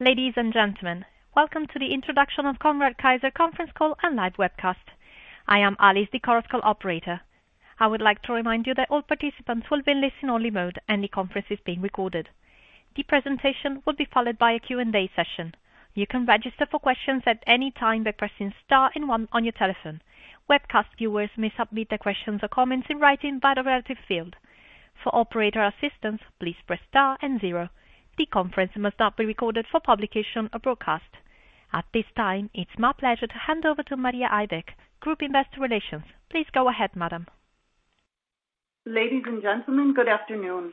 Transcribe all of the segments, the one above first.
Ladies and gentlemen, welcome to the introduction of Conrad Keijzer Conference Call and Live Webcast. I am Alice, the conference call operator. I would like to remind you that all participants will be in listen-only mode and the conference is being recorded. The presentation will be followed by a Q&A session. You can register for questions at any time by pressing star one on your telephone. Webcast viewers may submit their questions or comments in writing via the respective field. For operator assistance, please press star zero. The conference must not be recorded for publication or broadcast. At this time, it's my pleasure to hand over to Maria Ivek, Group Investor Relations. Please go ahead, madam. Ladies and gentlemen, good afternoon.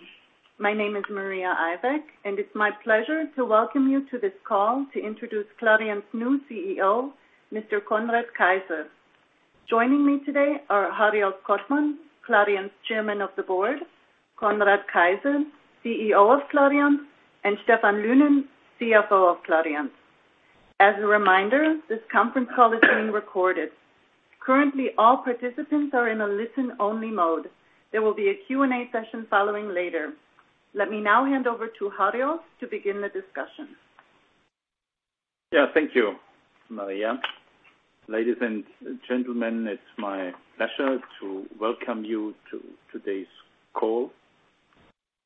My name is Maria Ivek, and it is my pleasure to welcome you to this call to introduce Clariant's new CEO, Mr. Conrad Keijzer. Joining me today are Hariolf Kottmann, Clariant's Chairman of the Board, Conrad Keijzer, CEO of Clariant, and Stephan Lynen, CFO of Clariant. As a reminder, this conference call is being recorded. Currently, all participants are in a listen-only mode. There will be a Q&A session following later. Let me now hand over to Hariolf to begin the discussion. Thank you, Maria. Ladies and gentlemen, it's my pleasure to welcome you to today's call.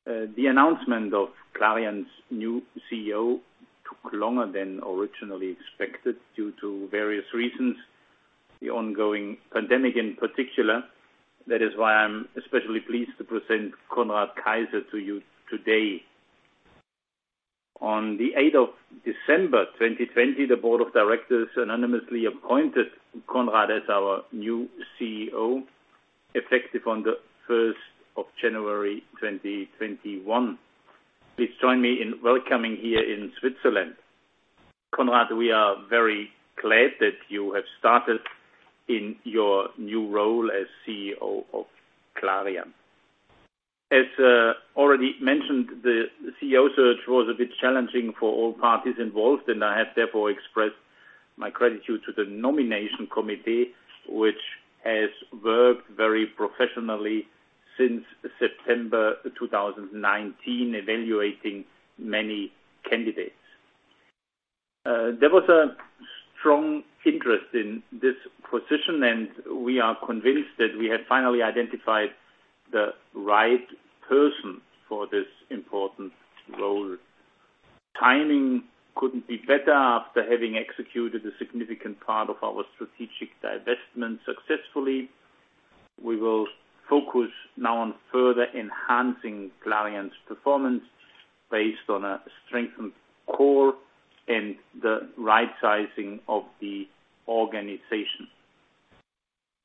The announcement of Clariant's new CEO took longer than originally expected due to various reasons, the ongoing pandemic in particular. I'm especially pleased to present Conrad Keijzer to you today. On the 8th of December 2020, the Board of Directors unanimously appointed Conrad as our new CEO, effective on the 1st of January 2021. Please join me in welcoming here in Switzerland. Conrad, we are very glad that you have started in your new role as CEO of Clariant. As already mentioned, the CEO search was a bit challenging for all parties involved. I have therefore expressed my gratitude to the nomination committee, which has worked very professionally since September 2019, evaluating many candidates. There was a strong interest in this position, and we are convinced that we have finally identified the right person for this important role. Timing couldn't be better after having executed a significant part of our strategic divestment successfully. We will focus now on further enhancing Clariant's performance based on a strengthened core and the right sizing of the organization.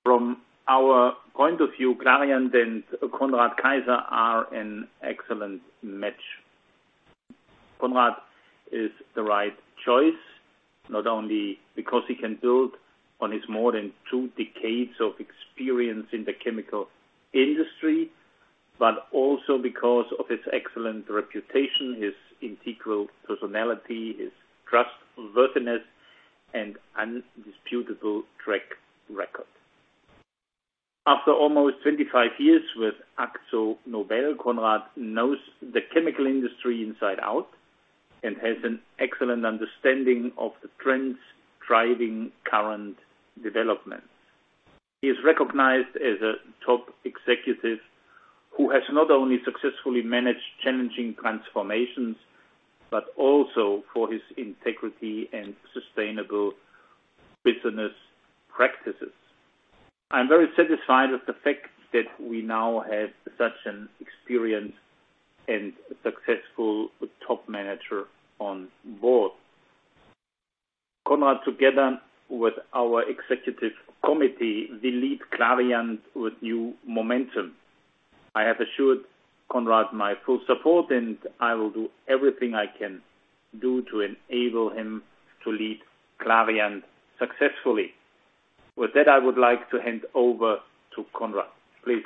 From our point of view, Clariant and Conrad Keijzer are an excellent match. Conrad is the right choice, not only because he can build on his more than two decades of experience in the chemical industry, but also because of his excellent reputation, his integral personality, his trustworthiness, and indisputable track record. After almost 25 years with AkzoNobel, Conrad knows the chemical industry inside out and has an excellent understanding of the trends driving current developments. He is recognized as a top executive who has not only successfully managed challenging transformations, but also for his integrity and sustainable business practices. I'm very satisfied with the fact that we now have such an experienced and successful top manager on board. Conrad, together with our Executive Committee, will lead Clariant with new momentum. I have assured Conrad my full support, and I will do everything I can do to enable him to lead Clariant successfully. With that, I would like to hand over to Conrad, please.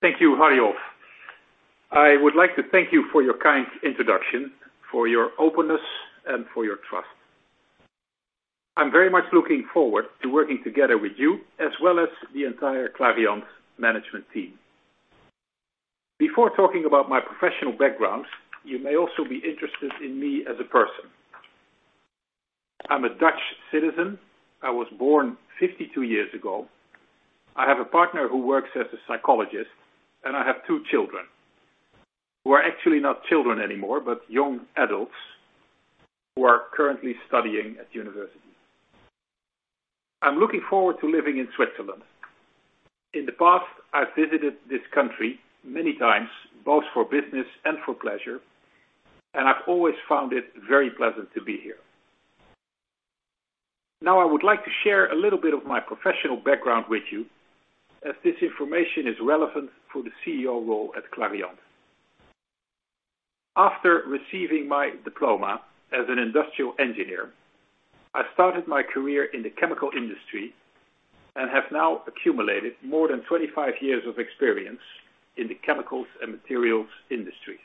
Thank you, Hariolf. I would like to thank you for your kind introduction, for your openness, and for your trust. I'm very much looking forward to working together with you, as well as the entire Clariant management team. Before talking about my professional background, you may also be interested in me as a person. I'm a Dutch citizen. I was born 52 years ago. I have a partner who works as a psychologist, and I have two children, who are actually not children anymore, but young adults who are currently studying at university. I'm looking forward to living in Switzerland. In the past, I've visited this country many times, both for business and for pleasure, and I've always found it very pleasant to be here. I would like to share a little bit of my professional background with you, as this information is relevant for the CEO role at Clariant. After receiving my diploma as an industrial engineer, I started my career in the chemical industry and have now accumulated more than 25 years of experience in the chemicals and materials industries.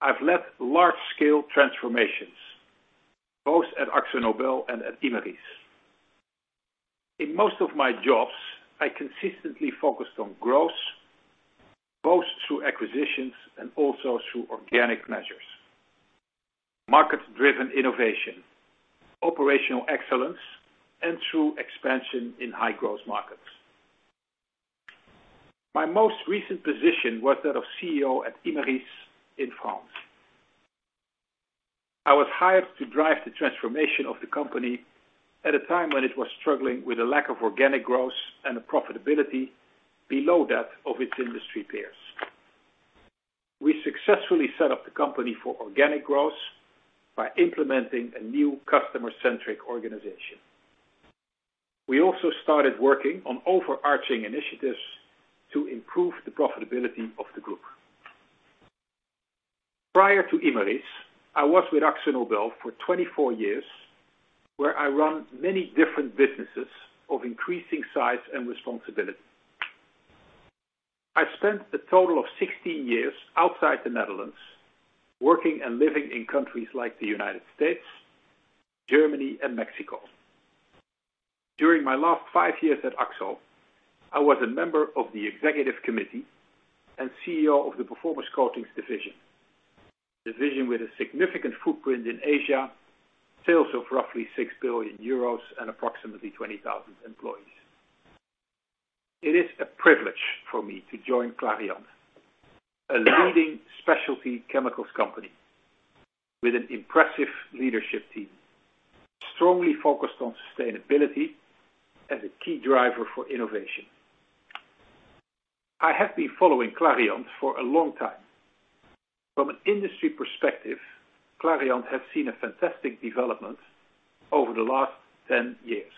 I've led large-scale transformations, both at AkzoNobel and at Imerys. In most of my jobs, I consistently focused on growth, both through acquisitions and also through organic measures, market-driven innovation, operational excellence, and through expansion in high-growth markets. My most recent position was that of CEO at Imerys in France. I was hired to drive the transformation of the company at a time when it was struggling with a lack of organic growth and profitability below that of its industry peers. We successfully set up the company for organic growth by implementing a new customer-centric organization. We also started working on overarching initiatives to improve the profitability of the group. Prior to Imerys, I was with AkzoNobel for 24 years, where I ran many different businesses of increasing size and responsibility. I've spent a total of 16 years outside the Netherlands, working and living in countries like the U.S., Germany, and Mexico. During my last five years at Akzo, I was a member of the Executive Committee and CEO of the Performance Coatings division, a division with a significant footprint in Asia, sales of roughly 6 billion euros, and approximately 20,000 employees. It is a privilege for me to join Clariant, a leading specialty chemicals company with an impressive leadership team, strongly focused on sustainability as a key driver for innovation. I have been following Clariant for a long time. From an industry perspective, Clariant has seen a fantastic development over the last 10 years.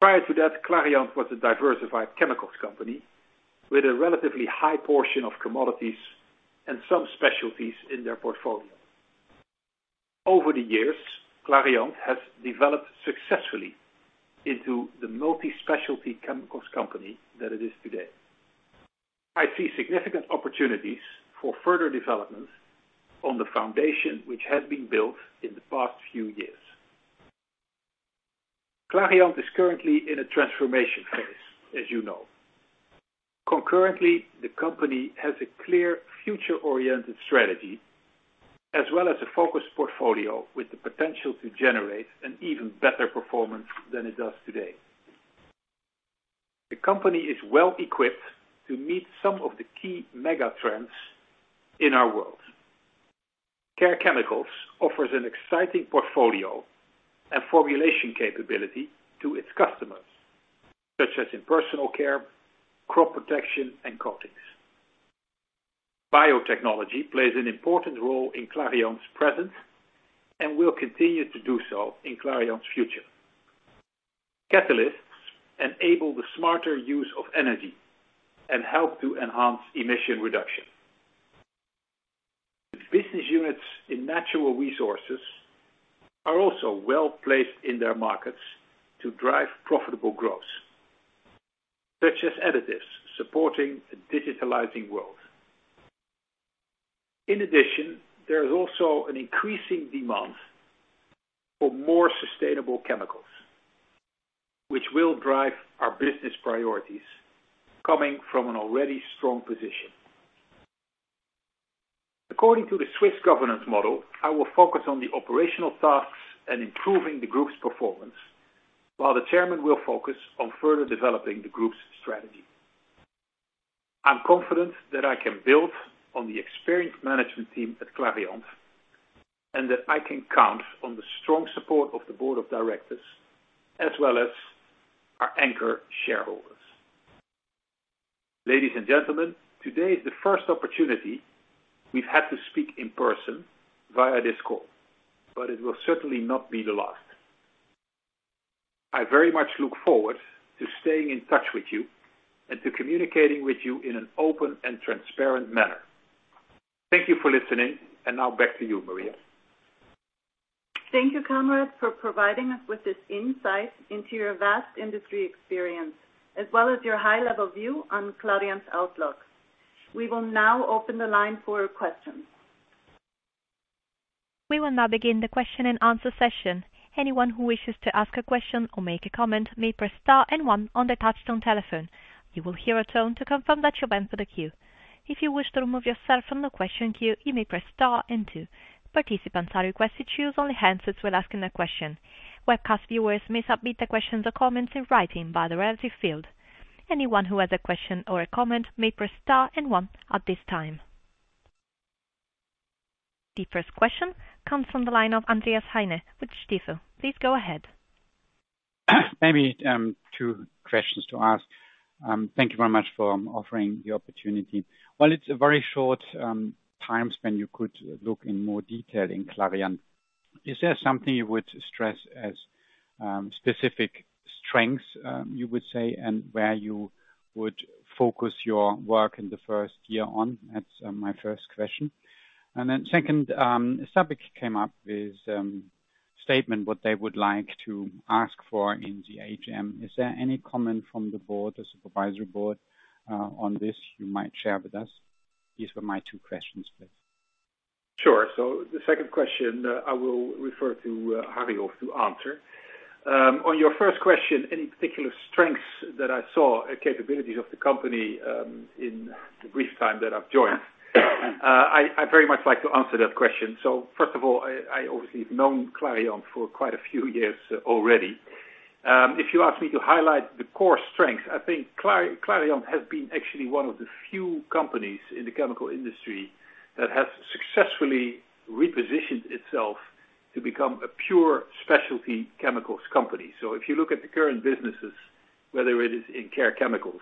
Prior to that, Clariant was a diversified chemicals company with a relatively high portion of commodities and some specialties in their portfolio. Over the years, Clariant has developed successfully into the multi-specialty chemicals company that it is today. I see significant opportunities for further development on the foundation which has been built in the past few years. Clariant is currently in a transformation phase, as you know. Concurrently, the company has a clear future-oriented strategy, as well as a focused portfolio with the potential to generate an even better performance than it does today. The company is well-equipped to meet some of the key mega trends in our world. Care Chemicals offers an exciting portfolio and formulation capability to its customers, such as in personal care, crop protection, and coatings. Biotechnology plays an important role in Clariant's present and will continue to do so in Clariant's future. Catalysts enable the smarter use of energy and help to enhance emission reduction. Business units in Natural Resources are also well-placed in their markets to drive profitable growth, such as Additives supporting a digitalizing world. There is also an increasing demand for more sustainable chemicals, which will drive our business priorities coming from an already strong position. According to the Swiss governance model, I will focus on the operational tasks and improving the group's performance, while the chairman will focus on further developing the group's strategy. I'm confident that I can build on the experienced management team at Clariant, and that I can count on the strong support of the board of directors as well as our anchor shareholders. Ladies and gentlemen, today is the first opportunity we've had to speak in person via this call, but it will certainly not be the last. I very much look forward to staying in touch with you and to communicating with you in an open and transparent manner. Thank you for listening, and now back to you, Maria. Thank you, Conrad, for providing us with this insight into your vast industry experience, as well as your high-level view on Clariant's outlook. We will now open the line for questions. We will now begin the question-and-answer session. Anyone who wishes to ask a question or make a comment may press star and one on their touch-tone telephone. You will hear a tone to confirm that you're in the queue. If you wish to remove yourself from the question queue, you may press star and two. Participants are requested to use only handsets when asking a question. Webcast viewers may submit their questions or comments in writing via the respective field. Anyone who has a question or a comment may press star and one at this time. The first question comes from the line of Andreas Heine with Stifel. Please go ahead. Maybe two questions to ask. Thank you very much for offering the opportunity. While it's a very short timespan, you could look in more detail in Clariant. Is there something you would stress as specific strengths, you would say, and where you would focus your work in the first year on? That's my first question. Then second, SABIC came up with a statement, what they would like to ask for in the AGM. Is there any comment from the board or supervisory board on this you might share with us? These were my two questions. Sure. The second question, I will refer to Hariolf to answer. On your first question, any particular strengths that I saw and capabilities of the company in the brief time that I've joined, I very much like to answer that question. First of all, I obviously have known Clariant for quite a few years already. If you ask me to highlight the core strengths, I think Clariant has been actually one of the few companies in the chemical industry that has successfully repositioned itself to become a pure specialty chemicals company. If you look at the current businesses, whether it is in Care Chemicals,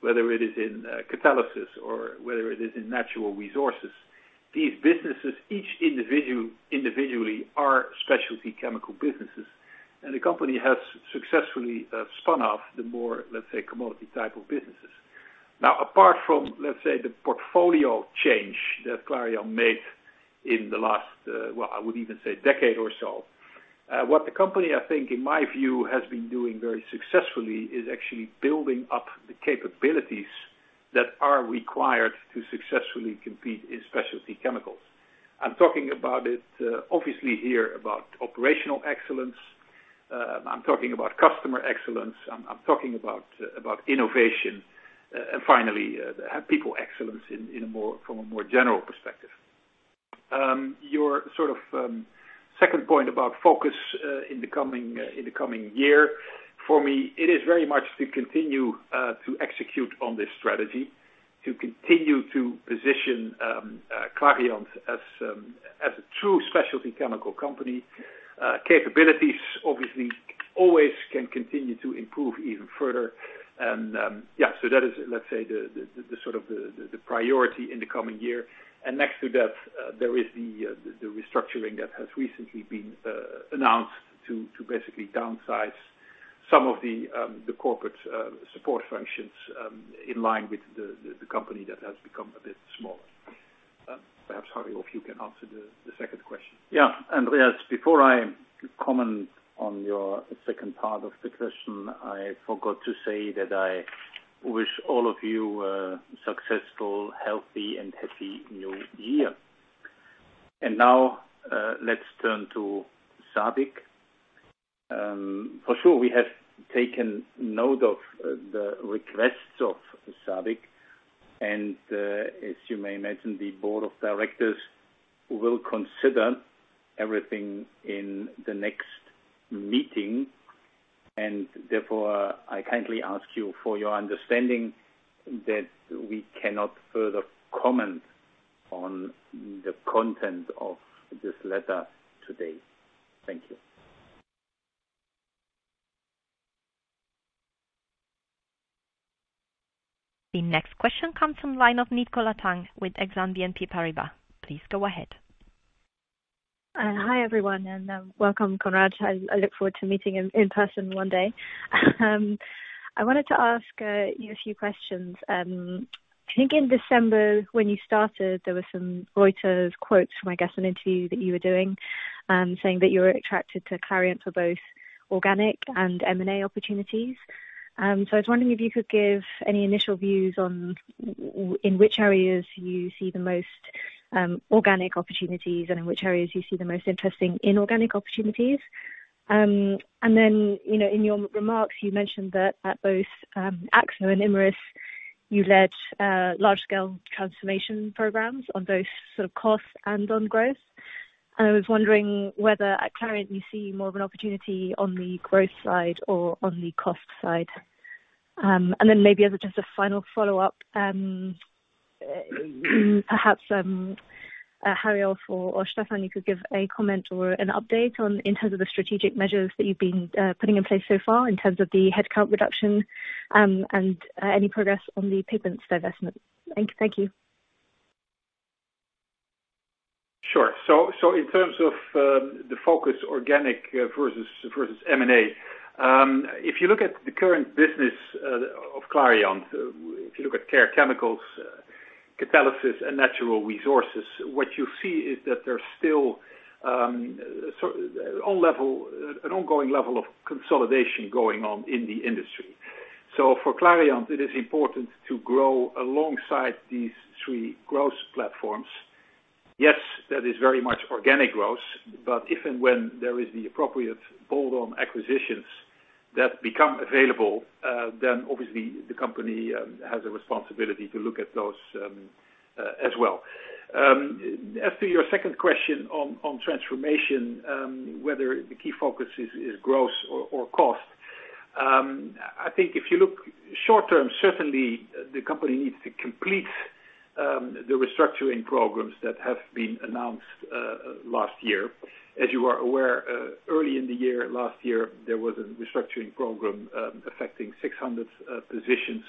whether it is in Catalysis, or whether it is in Natural Resources, these businesses, each individually, are specialty chemical businesses. The company has successfully spun off the more, let's say, commodity type of businesses. Apart from, let's say, the portfolio change that Clariant made in the last, well, I would even say decade or so. What the company, I think, in my view, has been doing very successfully is actually building up the capabilities that are required to successfully compete in specialty chemicals. I'm talking about it, obviously here, about operational excellence. I'm talking about customer excellence. I'm talking about innovation. Finally, people excellence from a more general perspective. Your second point about focus in the coming year, for me, it is very much to continue to execute on this strategy, to continue to position Clariant as a true specialty chemical company. Capabilities, obviously, always can continue to improve even further. Yeah, that is, let's say the priority in the coming year. Next to that, there is the restructuring that has recently been announced to basically downsize some of the corporate support functions in line with the company that has become a bit smaller. Perhaps, Hariolf, if you can answer the second question. Yeah. Andreas, before I comment on your second part of the question, I forgot to say that I wish all of you a successful, healthy, and happy new year. Now, let's turn to SABIC. For sure, we have taken note of the requests of SABIC, and, as you may imagine, the board of directors will consider everything in the next meeting, and therefore, I kindly ask you for your understanding that we cannot further comment on the content of this letter today. Thank you. The next question comes from line of Nicola Tang with Exane BNP Paribas. Please go ahead. Welcome, Conrad. I look forward to meeting in person one day. I wanted to ask you a few questions. I think in December when you started, there were some Reuters quotes from, I guess, an interview that you were doing, saying that you were attracted to Clariant for both organic and M&A opportunities. I was wondering if you could give any initial views on in which areas you see the most organic opportunities and in which areas you see the most interesting inorganic opportunities. In your remarks, you mentioned that at both Akzo and Imerys, you led large scale transformation programs on both costs and on growth. I was wondering whether at Clariant you see more of an opportunity on the growth side or on the cost side. Maybe as just a final follow-up, perhaps, Hariolf or Stephan, you could give a comment or an update in terms of the strategic measures that you've been putting in place so far in terms of the headcount reduction and any progress on the Pigments divestment. Thank you. Sure. In terms of the focus organic versus M&A. If you look at the current business of Clariant, if you look at Care Chemicals, Catalysis, and Natural Resources, what you see is that there's still an ongoing level of consolidation going on in the industry. For Clariant, it is important to grow alongside these three growth platforms. Yes, that is very much organic growth, but if and when there is the appropriate bolt-on acquisitions that become available, then obviously the company has a responsibility to look at those as well. As to your second question on transformation, whether the key focus is growth or cost. I think if you look short-term, certainly the company needs to complete the restructuring programs that have been announced last year. As you are aware, early in the year, last year, there was a restructuring program affecting 600 positions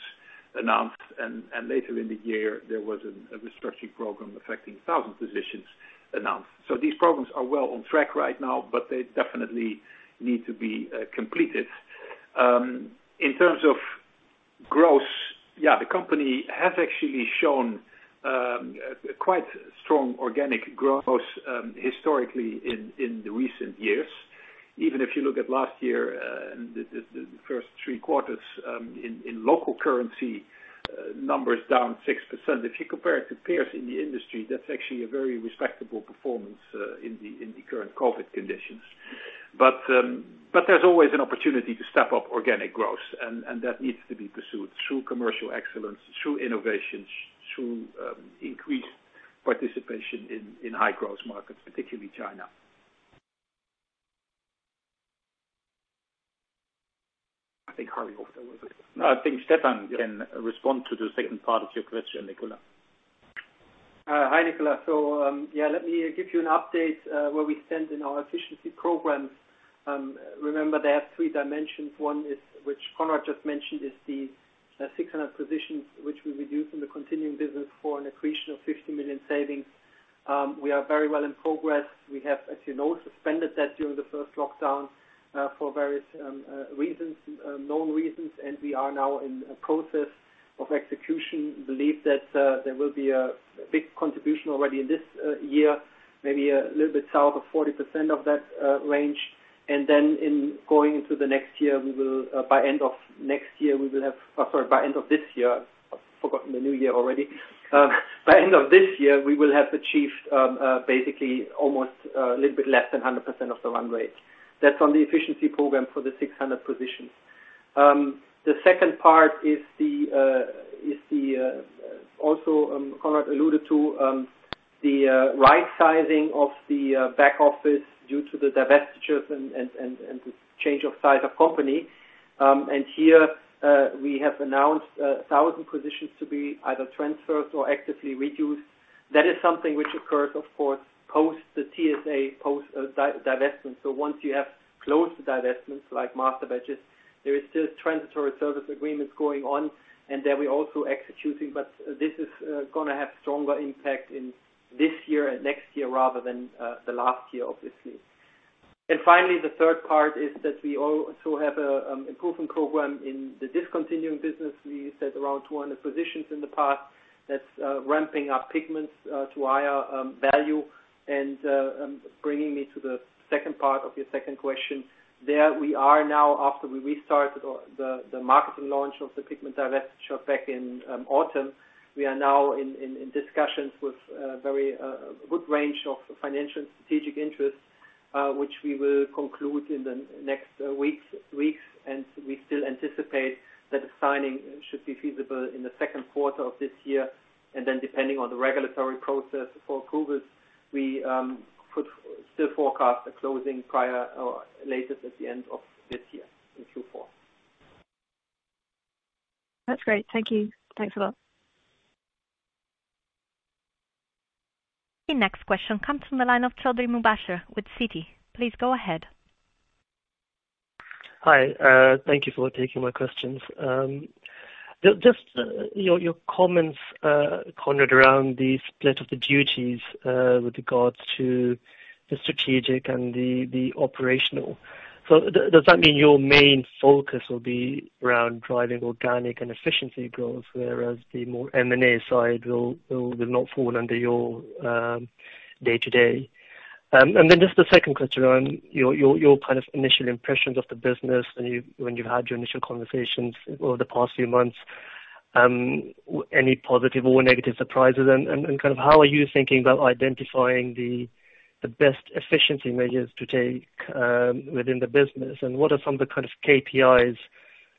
announced, and later in the year, there was a restructuring program affecting 1,000 positions announced. These programs are well on track right now, but they definitely need to be completed. In terms of growth, yeah, the company has actually shown quite strong organic growth historically in the recent years. Even if you look at last year, the first three quarters in local currency numbers down 6%. If you compare it to peers in the industry, that's actually a very respectable performance in the current COVID-19 conditions. There's always an opportunity to step up organic growth, and that needs to be pursued through commercial excellence, through innovations, through increased participation in high growth markets, particularly China. I think Hariolf also was it. No, I think Stephan can respond to the second part of your question, Nicola. Hi, Nicola. Yeah, let me give you an update where we stand in our efficiency programs. Remember, they have three dimensions. One, which Conrad just mentioned, is the 600 positions, which we reduced in the continuing business for an accretion of 50 million savings. We are very well in progress. We have, as you know, suspended that during the first lockdown for various known reasons, and we are now in a process of execution. Believe that there will be a big contribution already in this year, maybe a little bit south of 40% of that range. Going into the next year, by end of this year, I've forgotten the new year already. By end of this year, we will have achieved basically almost a little bit less than 100% of the run rate. That's on the efficiency program for the 600 positions. The second part is the, also Conrad alluded to, the right sizing of the back office due to the divestitures and the change of size of company. Here, we have announced 1,000 positions to be either transferred or actively reduced. That is something which occurs, of course, post the TSA, post divestment. Once you have closed the divestments like Masterbatches, there is still transitory service agreements going on, and then we're also executing. This is going to have stronger impact in this year and next year rather than the last year, obviously. Finally, the third part is that we also have an improvement program in the discontinuing business. We said around 200 positions in the past. That's ramping up Pigments to higher value and bringing me to the second part of your second question. There we are now after we restart the marketing launch of the Pigments divestiture back in autumn. We are now in discussions with a very good range of financial and strategic interests, which we will conclude in the next weeks. We still anticipate that the signing should be feasible in the second quarter of this year. Then depending on the regulatory process for approvals, we could still forecast a closing prior or latest at the end of this year, in Q4. That's great. Thank you. Thanks a lot. The next question comes from the line of Mubasher Chaudhry with Citi. Please go ahead. Hi. Thank you for taking my questions. Just your comments, Conrad, around the split of the duties with regards to the strategic and the operational. Does that mean your main focus will be around driving organic and efficiency growth, whereas the more M&A side will not fall under your day-to-day? Just the second question around your initial impressions of the business when you've had your initial conversations over the past few months, any positive or negative surprises, and kind of how are you thinking about identifying the best efficiency measures to take within the business, and what are some of the kind of KPIs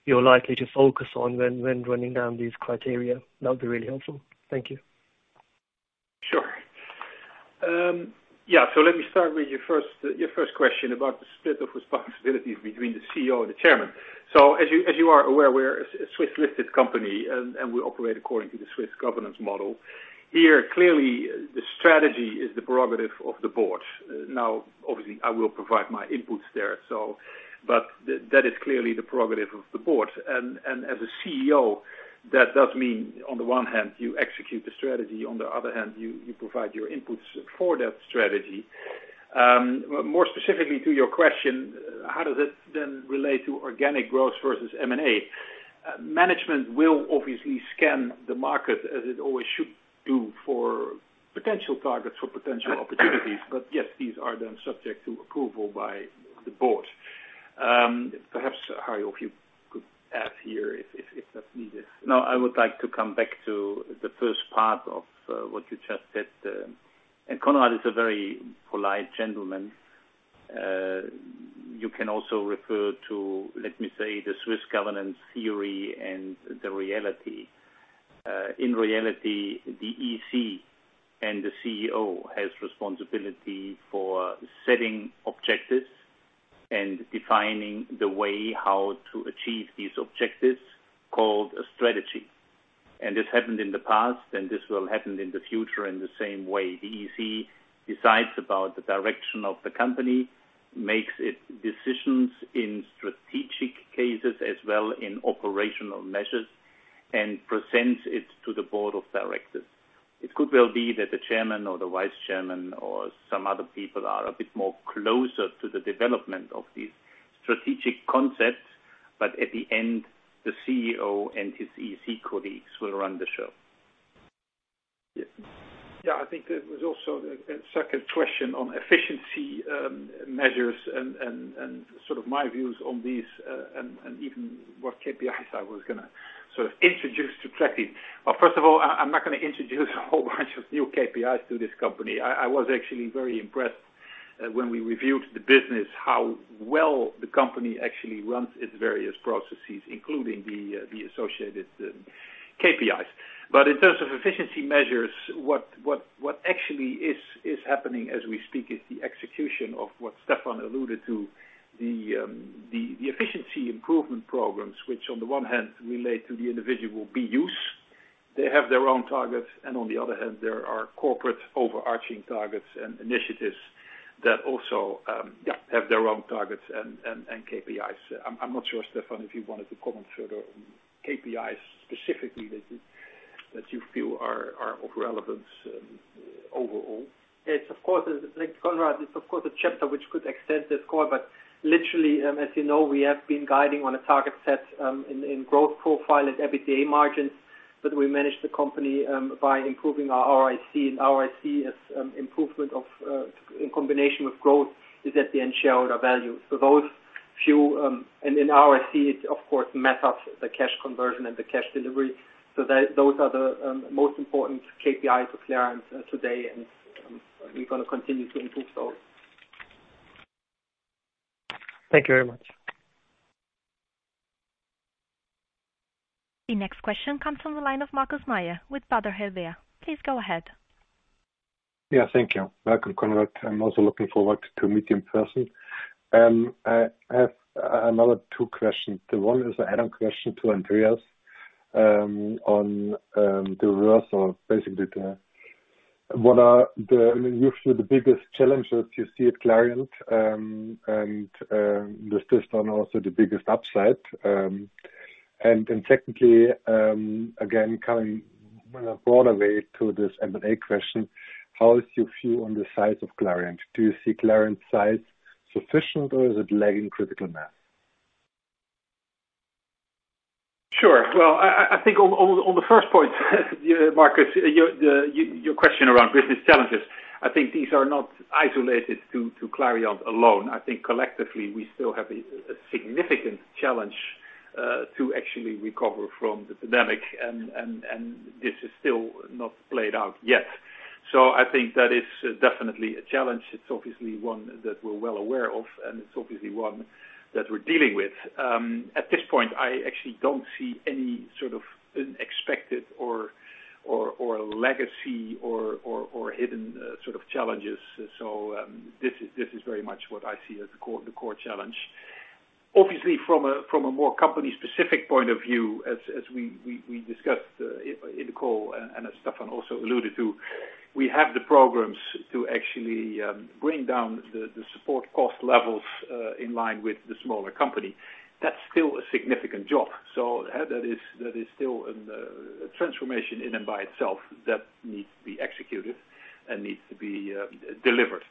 you're likely to focus on when running down these criteria? That would be really helpful. Thank you. Sure. Let me start with your first question about the split of responsibilities between the CEO and the Chairman. As you are aware, we're a Swiss-listed company, and we operate according to the Swiss governance model. Here, clearly, the strategy is the prerogative of the board. Obviously, I will provide my inputs there, but that is clearly the prerogative of the board. As a CEO, that does mean, on the one hand, you execute the strategy, on the other hand, you provide your inputs for that strategy. More specifically to your question, how does it relate to organic growth versus M&A? Management will obviously scan the market as it always should do for potential targets, for potential opportunities. Yes, these are then subject to approval by the board. Perhaps, Hariolf, if you could add here if that's needed. I would like to come back to the first part of what you just said. Conrad is a very polite gentleman. You can also refer to, let me say, the Swiss governance model and the reality. In reality, the EC and the CEO has responsibility for setting objectives and defining the way how to achieve these objectives, called a strategy. This happened in the past, and this will happen in the future in the same way. The EC decides about the direction of the company, makes its decisions in strategic cases as well in operational measures, and presents it to the board of directors. It could well be that the chairman or the vice chairman or some other people are a bit more closer to the development of these strategic concepts, but at the end, the CEO and his EC colleagues will run the show. Yeah, I think there was also a second question on efficiency measures and my views on these, and even what KPIs I was going to introduce to Clariant. First of all, I'm not going to introduce a whole bunch of new KPIs to this company. I was actually very impressed when we reviewed the business, how well the company actually runs its various processes, including the associated KPIs. In terms of efficiency measures, what actually is happening as we speak is the execution of what Stephan alluded to, the efficiency improvement programs, which on the one hand relate to the individual BUs. They have their own targets, and on the other hand, there are corporate overarching targets and initiatives that also have their own targets and KPIs. I'm not sure, Stephan, if you wanted to comment further on KPIs specifically that you feel are of relevance overall. Thanks, Conrad. It's of course a chapter which could extend this call, but literally, as you know, we have been guiding on a target set in growth profile and EBITDA margins, but we manage the company by improving our ROIC, and our ROIC is improvement in combination with growth is at the end shareholder value. Those few, and in our, [inaudible] of course, methods, the cash conversion and the cash delivery. Those are the most important KPIs for Clariant today, and we're going to continue to improve those. Thank you very much. The next question comes from the line of Markus Mayer with Baader Helvea. Please go ahead. Yeah, thank you. Welcome, Conrad. I'm also looking forward to meet you in person. I have another two questions. One is an add-on question to Andreas on the reversal, basically, what are usually the biggest challenges you see at Clariant, and this system, also the biggest upside. Secondly, again, coming broader way to this M&A question, how is your view on the size of Clariant? Do you see Clariant size sufficient or is it lagging critical mass? Sure. Well, I think on the first point, Markus, your question around business challenges, I think these are not isolated to Clariant alone. I think collectively, we still have a significant challenge to actually recover from the pandemic, and this is still not played out yet. I think that is definitely a challenge. It's obviously one that we're well aware of, and it's obviously one that we're dealing with. At this point, I actually don't see any sort of unexpected or legacy or hidden challenges. This is very much what I see as the core challenge. Obviously, from a more company-specific point of view, as we discussed in the call and as Stephan also alluded to, we have the programs to actually bring down the support cost levels in line with the smaller company. That's still a significant job. That is still a transformation in and by itself that needs to be executed and needs to be delivered.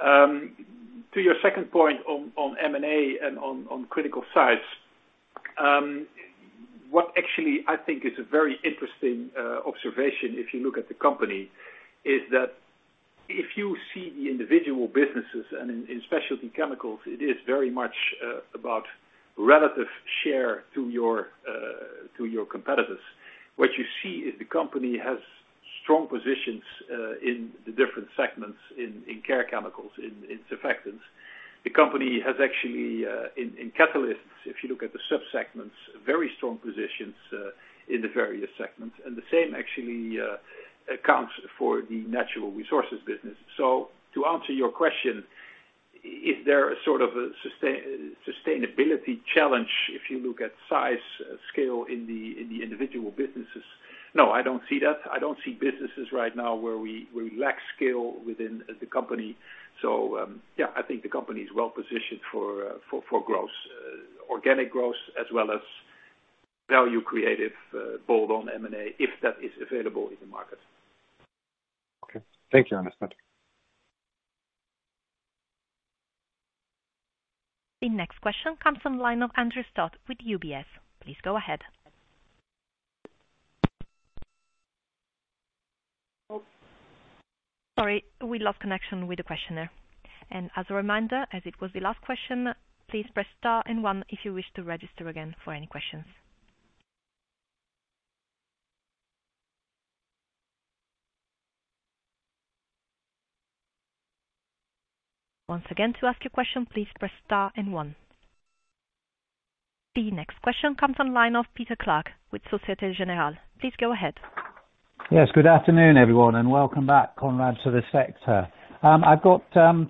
To your second point on M&A and on critical size, what actually I think is a very interesting observation, if you look at the company, is that if you see the individual businesses and in specialty chemicals, it is very much about relative share to your competitors. What you see is the company has strong positions in the different segments, in Care Chemicals, in surfactants. The company has actually, in Catalysts, if you look at the sub-segments, very strong positions in the various segments, and the same actually accounts for the Natural Resources business. To answer your question, is there a sort of a sustainability challenge if you look at size, scale in the individual businesses? No, I don't see that. I don't see businesses right now where we lack scale within the company. Yeah, I think the company is well-positioned for growth, organic growth as well as value creative bolt-on M&A, if that is available in the market. Okay. Thank you, understood. The next question comes from the line of Andrew Stott with UBS. Please go ahead. Sorry, we lost connection with the questioner. As a reminder, as it was the last question, please press star and one if you wish to register again for any questions. Once again, to ask your question, please press star and one. The next question comes on line of Peter Clark with Societe Generale. Please go ahead. Good afternoon, everyone, and welcome back, Conrad, to the sector. I've got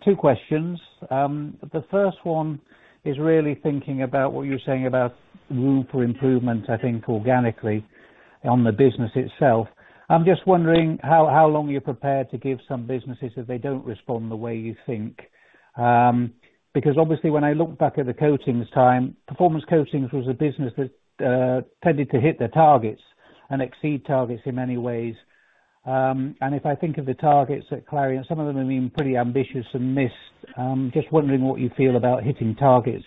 two questions. The first one is really thinking about what you were saying about room for improvement, I think, organically on the business itself. I'm just wondering how long you're prepared to give some businesses if they don't respond the way you think. Obviously when I look back at the coatings time, Performance Coatings was a business that tended to hit their targets and exceed targets in many ways. If I think of the targets at Clariant, some of them have been pretty ambitious and missed. I'm just wondering what you feel about hitting targets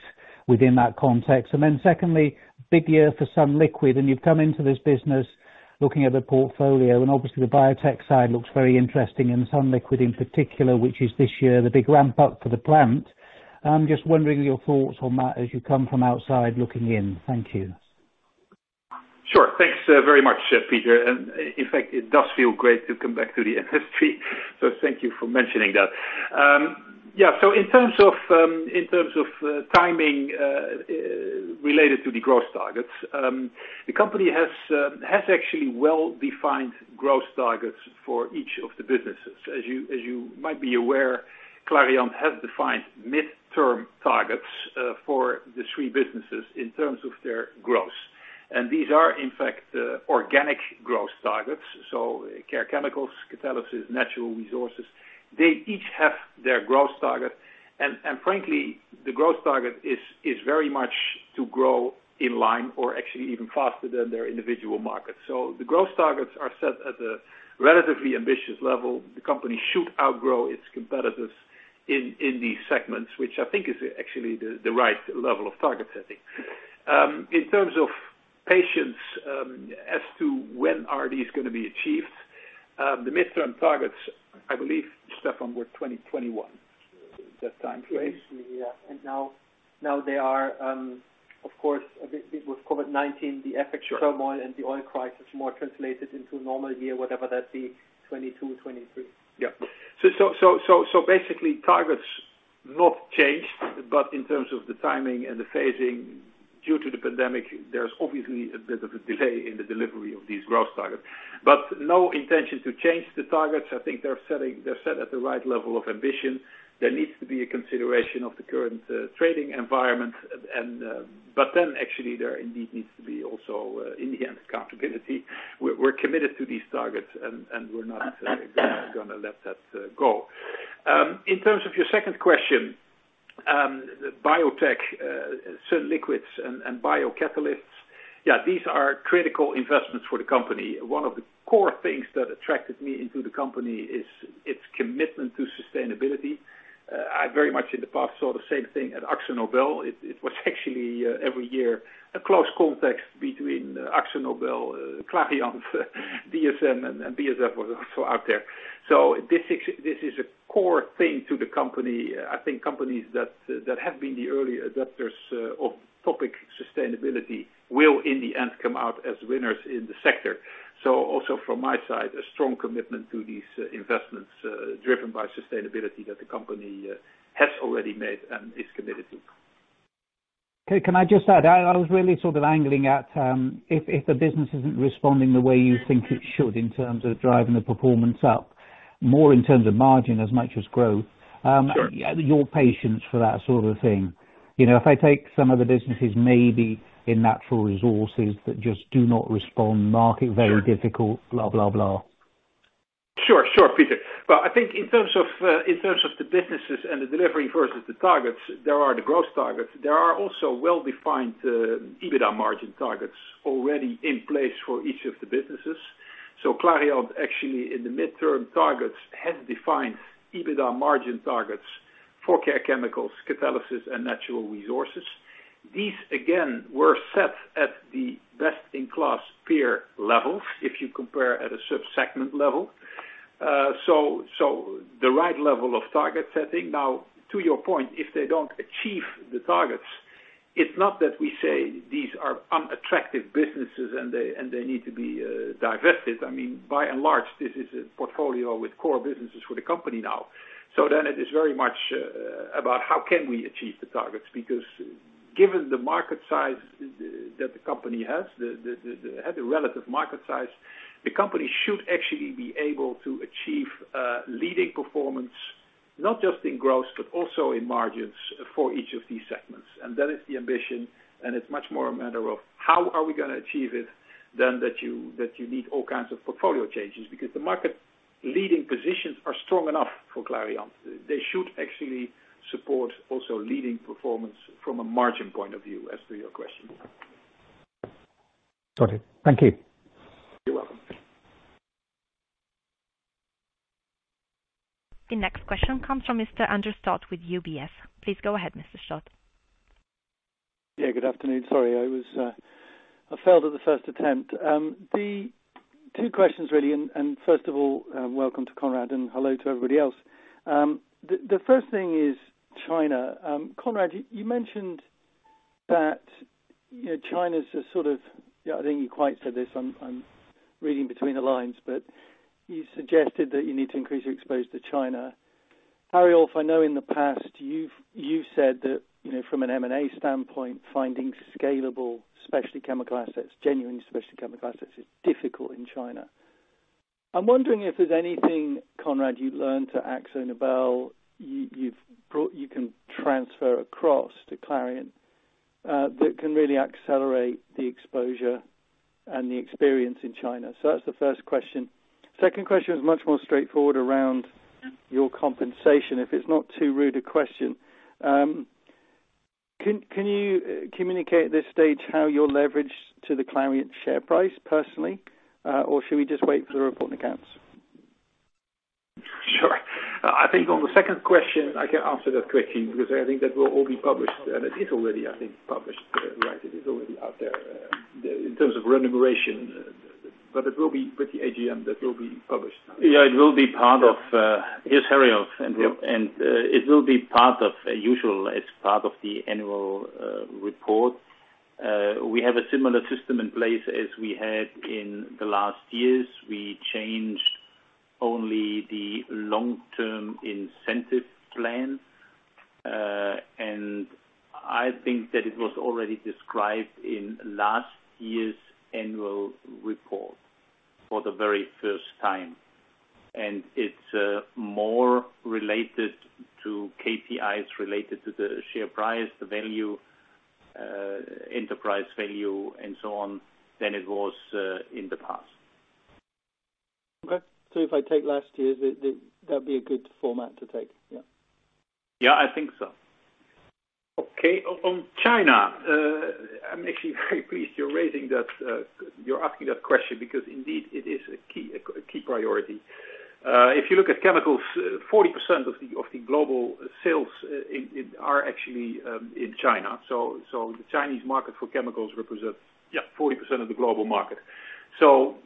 within that context. Secondly, big year for Sunliquid, and you've come into this business looking at the portfolio, and obviously the biotech side looks very interesting and Sunliquid in particular, which is this year, the big ramp-up for the plant. I'm just wondering your thoughts on that as you come from outside looking in. Thank you. Sure. Thanks very much, Peter. In fact, it does feel great to come back to the industry, so thank you for mentioning that. In terms of timing related to the growth targets, the company has actually well-defined growth targets for each of the businesses. As you might be aware, Clariant has defined midterm targets for the three businesses in terms of their growth. These are, in fact, organic growth targets. Care Chemicals, Catalysis, Natural Resources, they each have their growth target. Frankly, the growth target is very much to grow in line or actually even faster than their individual markets. The growth targets are set at a relatively ambitious level. The company should outgrow its competitors in these segments, which I think is actually the right level of target setting. In terms of patience, as to when are these going to be achieved? The midterm targets, I believe, Stephan, were 2021, that time frame. Yes. Now they are, of course, with COVID-19, the FX turmoil and the oil crisis more translated into a normal year, whatever that be 2022, 2023. Basically, targets not changed, but in terms of the timing and the phasing due to the pandemic, there's obviously a bit of a delay in the delivery of these growth targets. No intention to change the targets. I think they're set at the right level of ambition. Actually, there indeed needs to be also, in the end, accountability. We're committed to these targets, and we're not going to let that go. In terms of your second question, biotech, sunliquid and biocatalysts, yeah, these are critical investments for the company. One of the core things that attracted me into the company is its commitment to sustainability. I very much in the past saw the same thing at AkzoNobel. It was actually every year a close contest between AkzoNobel, Clariant, DSM, and BASF was also out there. This is a core thing to the company. I think companies that have been the early adapters of topic sustainability will, in the end, come out as winners in the sector. Also from my side, a strong commitment to these investments driven by sustainability that the company has already made and is committed to. Okay. Can I just add, I was really sort of angling at if the business isn't responding the way you think it should in terms of driving the performance up, more in terms of margin as much as growth. Sure Your patience for that sort of thing. If I take some of the businesses maybe in Natural Resources that just do not respond, market very difficult, blah, blah. Sure, Peter. Well, I think in terms of the businesses and the delivery versus the targets, there are the growth targets. There are also well-defined EBITDA margin targets already in place for each of the businesses. Clariant actually in the midterm targets has defined EBITDA margin targets for Care Chemicals, Catalysis, and Natural Resources. These, again, were set at the best-in-class peer levels, if you compare at a sub-segment level. The right level of target setting. Now, to your point, if they don't achieve the targets, it's not that we say these are unattractive businesses and they need to be divested. By and large, this is a portfolio with core businesses for the company now. It is very much about how can we achieve the targets, because given the market size that the company has, the relative market size, the company should actually be able to achieve leading performance, not just in growth, but also in margins for each of these segments. That is the ambition, and it's much more a matter of how are we going to achieve it than that you need all kinds of portfolio changes because the market-leading positions are strong enough for Clariant. They should actually support also leading performance from a margin point of view as to your question. Got it. Thank you. You're welcome. The next question comes from Mr. Andrew Stott with UBS. Please go ahead, Mr. Stott. Yeah, good afternoon. Sorry, I failed at the first attempt. Two questions, really, and first of all, welcome to Conrad, and hello to everybody else. The first thing is China. Conrad, you mentioned that China's a sort of, I don't think you quite said this, I'm reading between the lines, but you suggested that you need to increase your exposure to China. Hariolf, or if I know in the past, you've said that from an M&A standpoint, finding scalable, specialty chemical assets, genuine specialty chemical assets is difficult in China. I'm wondering if there's anything, Conrad, you learned at AkzoNobel, you can transfer across to Clariant, that can really accelerate the exposure and the experience in China. That's the first question. Second question is much more straightforward around your compensation. If it's not too rude a question, can you communicate at this stage how you're leveraged to the Clariant share price personally? Or should we just wait for the report and accounts? Sure. I think on the second question, I can answer that quickly because I think that will all be published, and it is already, I think, published. Right. It is already out there, in terms of remuneration. It will be with the AGM that will be published. Yeah. Here's Hariolf. Yep. It will be part of usual. It's part of the annual report. We have a similar system in place as we had in the last years. We changed only the long-term incentive plan. I think that it was already described in last year's annual report for the very first time, and it's more related to KPIs, related to the share price, the value, enterprise value, and so on than it was in the past. Okay. If I take last year's, that'd be a good format to take. Yeah. Yeah, I think so. Okay. On China, I am actually very pleased you are asking that question because indeed it is a key priority. If you look at chemicals, 40% of the global sales are actually in China. The Chinese market for chemicals represents. Yeah 40% of the global market.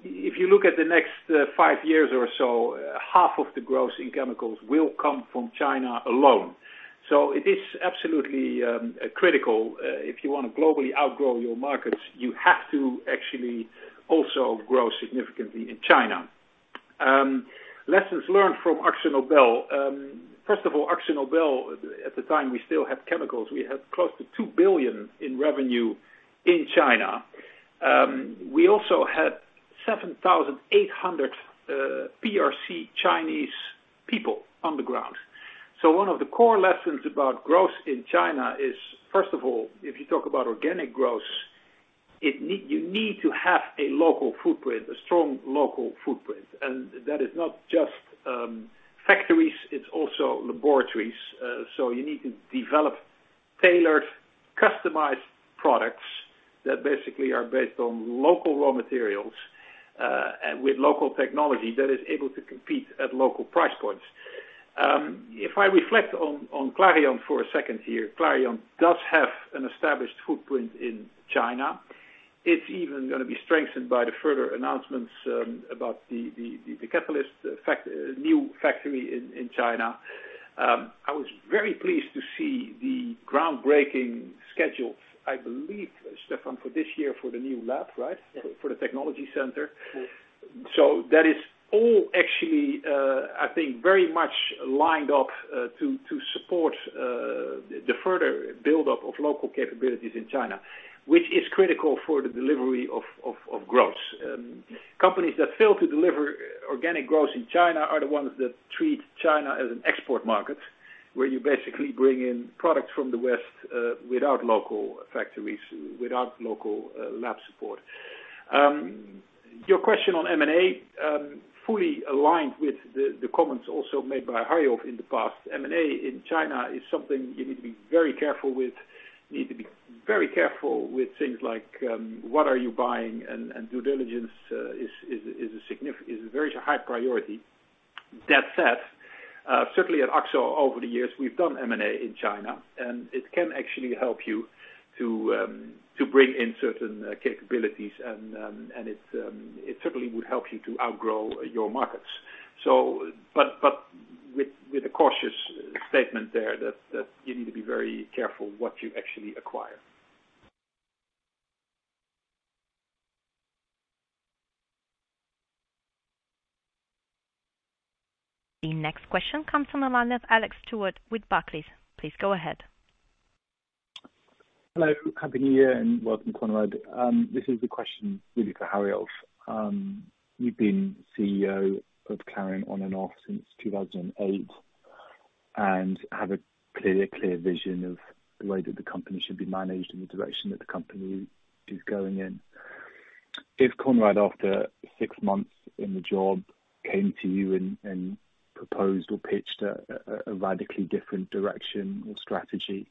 If you look at the next five years or so, half of the growth in chemicals will come from China alone. It is absolutely critical. If you want to globally outgrow your markets, you have to actually also grow significantly in China. Lessons learned from AkzoNobel. First of all, AkzoNobel, at the time we still had chemicals. We had close to 2 billion in revenue in China. We also had 7,800 PRC Chinese people on the ground. One of the core lessons about growth in China is, first of all, if you talk about organic growth, you need to have a local footprint, a strong local footprint. That is not just factories, it's also laboratories. You need to develop tailored, customized products that basically are based on local raw materials, and with local technology that is able to compete at local price points. If I reflect on Clariant for a second here, Clariant does have an established footprint in China. It's even going to be strengthened by the further announcements about the catalyst new factory in China. I was very pleased to see the groundbreaking schedule, I believe, Stephan, for this year for the new lab, right? Yes. For the technology center. Yes. That is all actually, I think, very much lined up to support the further buildup of local capabilities in China, which is critical for the delivery of growth. Companies that fail to deliver organic growth in China are the ones that treat China as an export market, where you basically bring in products from the West without local factories, without local lab support. Your question on M&A, fully aligned with the comments also made by Hariolf in the past. M&A in China is something you need to be very careful with. You need to be very careful with things like, what are you buying, due diligence is a very high priority. That said, certainly at Akzo, over the years, we've done M&A in China, it can actually help you to bring in certain capabilities, and it certainly would help you to outgrow your markets. With a cautious statement there that you need to be very careful what you actually acquire. The next question comes from the line of Alex Stewart with Barclays. Please go ahead. Hello. Happy New Year welcome, Conrad. This is a question really for Hariolf. You've been CEO of Clariant on and off since 2008 and have a clear vision of the way that the company should be managed and the direction that the company is going in. If Conrad, after six months in the job, came to you and proposed or pitched a radically different direction or strategy,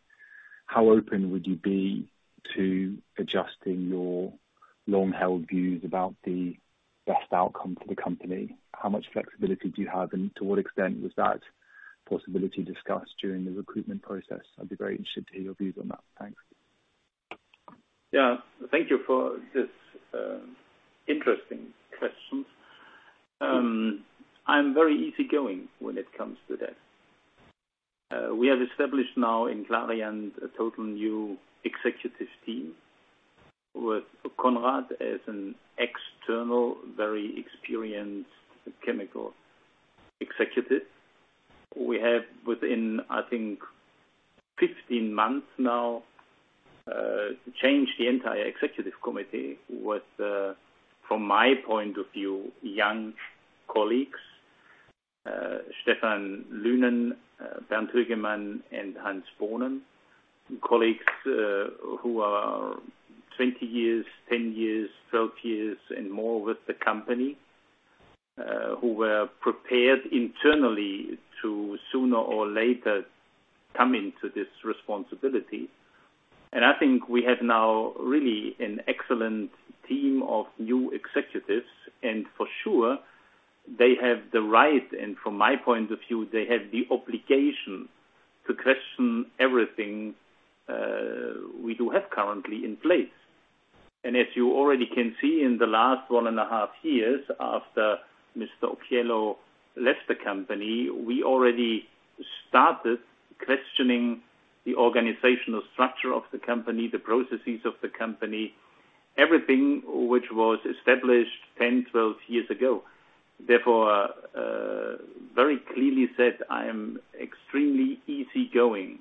how open would you be to adjusting your long-held views about the best outcome for the company? How much flexibility do you have, and to what extent was that possibility discussed during the recruitment process? I'd be very interested to hear your views on that. Thanks. Thank you for this interesting question. I am very easygoing when it comes to that. We have established now in Clariant a total new executive team with Conrad as an external, very experienced chemical executive. We have, within, I think 15 months now, changed the entire Executive Committee with, from my point of view, young colleagues, Stephan Lynen, Bernd Högemann, and Hans Bohnen. Colleagues who are 20 years, 10 years, 12 years and more with the company, who were prepared internally to sooner or later come into this responsibility. I think we have now really an excellent team of new executives, and for sure they have the right, and from my point of view, they have the obligation to question everything we do have currently in place. As you already can see in the last one and a half years after Mr. Occhiello left the company, we already started questioning the organizational structure of the company, the processes of the company, everything which was established 10, 12 years ago. Very clearly said, I am extremely easygoing.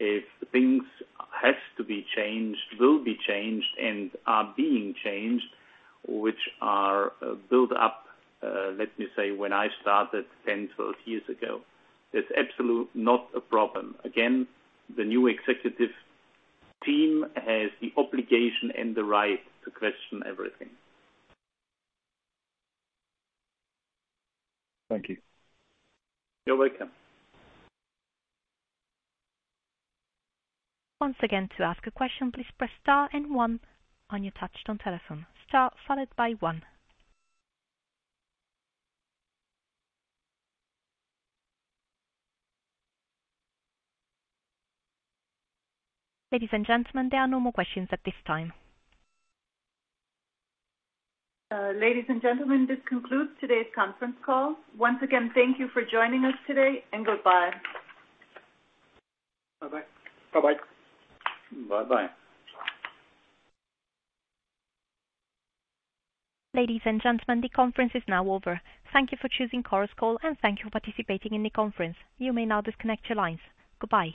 If things have to be changed, will be changed, and are being changed, which are built up, let me say, when I started 10, 12 years ago. It's absolutely not a problem. The new executive team has the obligation and the right to question everything. Thank you. You're welcome. Once again, to ask a question, please press star and one on your touchtone telephone star followed by one. Ladies and gentlemen, there are no more questions at this time. Ladies and gentlemen, this concludes today's conference call. Once again, thank you for joining us today, and goodbye. Bye-bye. Bye-bye. Ladies and gentlemen, the conference is now over. Thank you for choosing Chorus Call, and thank you for participating in the conference. You may now disconnect your lines. Goodbye.